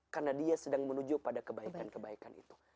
karena dia sedang menuju pada kebaikan kebaikan itu